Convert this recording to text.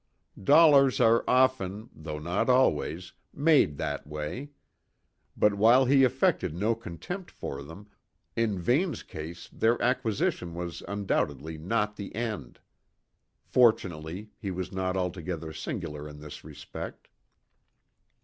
Dollars are often, though not always, made that way; but while he affected no contempt for them, in Vane's case their acquisition was undoubtedly not the end. Fortunately, he was not altogether singular in this respect.